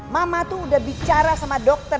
mama tuh udah bicara sama dokter